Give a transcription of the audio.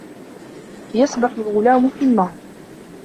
يَسْبَحُ الْغُلاَمُ فِي النَّهْرِ.